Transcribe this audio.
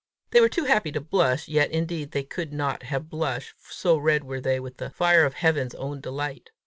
They were too happy to blush, yet indeed they could not have blushed, so red were they with the fire of heaven's own delight.